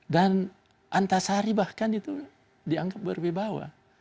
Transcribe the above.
dan antasari bahkan itu dianggap berwibawa